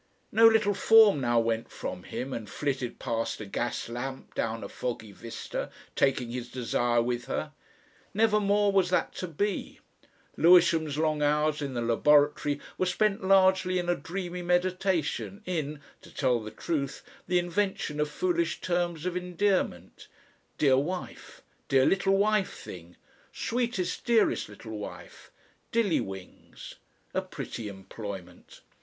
No little form now went from him and flitted past a gas lamp down a foggy vista, taking his desire with her. Never more was that to be. Lewisham's long hours in the laboratory were spent largely in a dreamy meditation, in to tell the truth the invention of foolish terms of endearment: "Dear Wife," "Dear Little Wife Thing," "Sweetest Dearest Little Wife," "Dillywings." A pretty employment!